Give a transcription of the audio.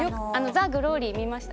『ザ・グローリー』見ました？